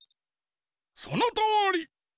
そのとおり！